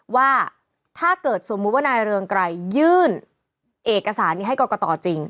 ว่าถ้าเกิดสมมุติว่านายเรืองไกรยื่นเอกสารนี้ให้กรกตจริง